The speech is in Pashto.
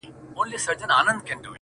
دا درېيم ځل دی چي مات زړه ټولوم؛